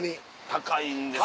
高いんですよ